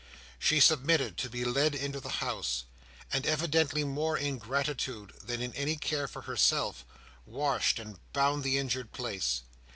She submitted to be led into the house, and, evidently more in gratitude than in any care for herself, washed and bound the injured place.